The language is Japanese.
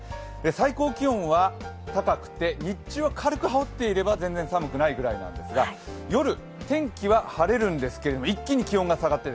最高気温は高くて日中は軽く羽織っていれば全然寒くないぐらいなんですが、夜、天気は晴れるんですけれども一気に気温が下がって